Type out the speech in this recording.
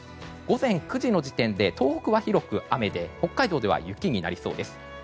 午前９時の時点で東北は広く雨で北海道では雪になりそうです。